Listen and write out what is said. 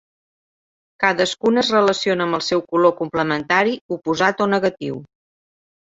Cadascuna es relaciona amb el seu color complementari oposat o negatiu.